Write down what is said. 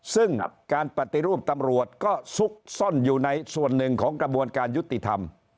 ซึ่งการปฏิรูปตำรวจก็ซุกซ่อนอยู่ในส่วนหนึ่งของกระบวนการยุติธรรม